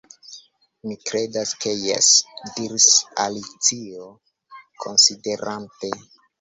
"Mi kredas ke jes," diris Alicio, konsiderante.